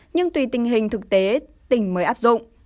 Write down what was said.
nhưng thực tế tỉnh mới áp dụng